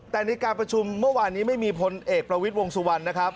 แต่ในการประชุมเมื่อวานนี้ไม่มีพลเอกประวิทย์วงสุวรรณนะครับ